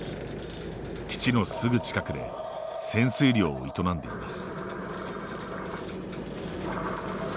基地のすぐ近くで潜水漁を営んでいます。